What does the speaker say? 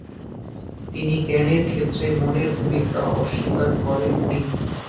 তিনি জ্ঞানের ক্ষেত্রে মনের ভূমিকা অস্বীকার করেননি।